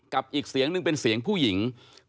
อีกเสียงหนึ่งเป็นเสียงผู้หญิง